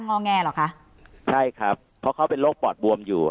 งอแงเหรอคะใช่ครับเพราะเขาเป็นโรคปอดบวมอยู่